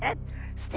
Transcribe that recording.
すて！